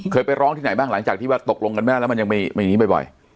ไปร้องที่ไหนบ้างหลังจากที่ว่าตกลงกันไม่ได้แล้วมันยังมีอย่างนี้บ่อย